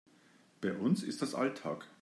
Bei uns ist das Alltag.